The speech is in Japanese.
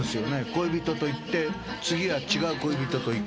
恋人と行って次は違う恋人と行く。